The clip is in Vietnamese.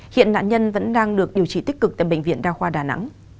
hiện nạn nhân vẫn đang được điều trị tích cực tại bệnh viện đa khoa đà nẵng